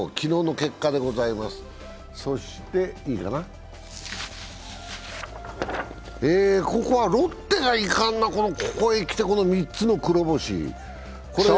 そしてここはロッテがいかんな、ここへきて３つの黒星。